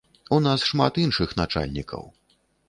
У нас шмат іншых начальнікаў.